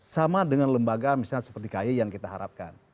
sama dengan lembaga misalnya seperti kay yang kita harapkan